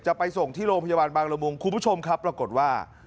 จะไปส่งที่โรงพยาบาลบางละมุงคุณผู้ชมครับปรากฏว่า